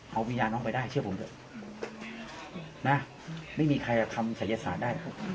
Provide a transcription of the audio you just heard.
เอามียาน้องไปได้เชื่อผมด้วยนะไม่มีใครอ่ะทำสัยศาสตร์ได้